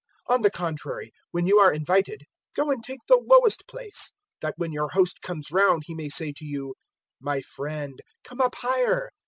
014:010 On the contrary, when you are invited go and take the lowest place, that when your host comes round he may say to you, `My friend, come up higher.'